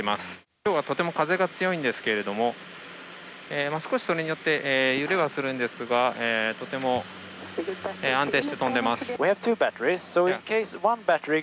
きょうはとても風が強いんですけれども、少し、それによって揺れはするんですが、とても安定して飛んでます。